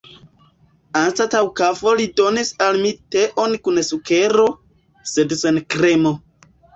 Anstataŭ kafo li donis al mi teon kun sukero, sed sen kremo.